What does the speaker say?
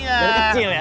dari kecil ya